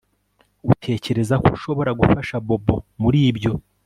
Utekereza ko ushobora gufasha Bobo muri ibyo